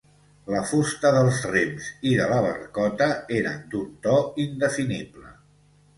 la fusta dels rems i de la barcota eren d'un to indefinible